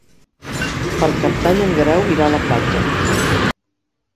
Per Cap d'Any en Guerau irà a la platja.